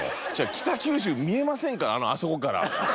北九州見えませんからあそこから。